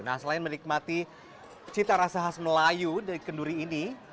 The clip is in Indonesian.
nah selain menikmati cita rasa khas melayu dari kenduri ini